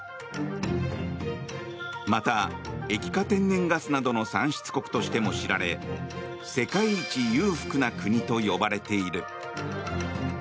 また、液化天然ガスなどの産出国としても知られ世界一裕福な国と呼ばれている。